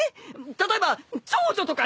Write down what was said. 例えば長女とかね！